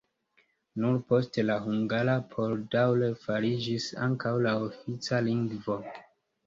Nur poste la hungara por daŭre fariĝis ankaŭ la ofica lingvo.